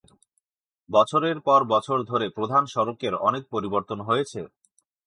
বছরের পর বছর ধরে প্রধান সড়কের অনেক পরিবর্তন হয়েছে।